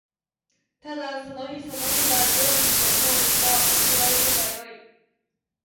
ただその日その日がどうにかこうにか送られればよい